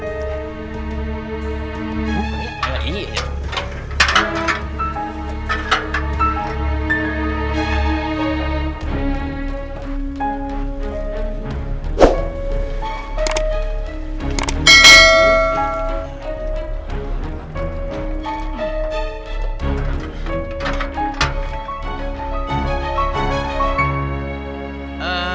oh ini enggak iya